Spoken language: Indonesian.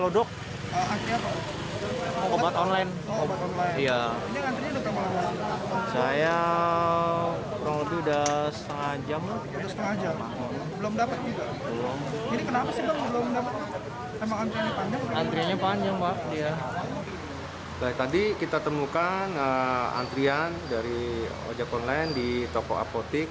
dari tadi kita temukan antrian dari ojek online di toko apotek